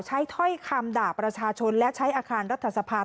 ถ้อยคำด่าประชาชนและใช้อาคารรัฐสภา